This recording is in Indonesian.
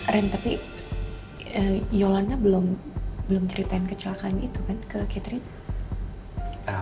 keren tapi yolanda belum ceritain kecelakaan itu kan ke catherine